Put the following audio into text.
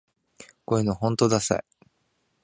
こういうのほんとダサい